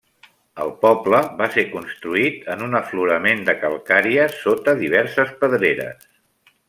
El poble va ser construït en un aflorament de calcària sota diverses pedreres.